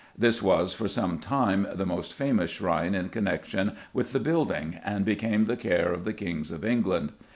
This was, for some time, the most famous shrine in connection with the building, and became the care of the kings of England.